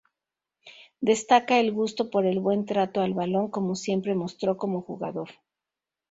Destaca el gusto por el buen trato al balón, como siempre mostró como jugador.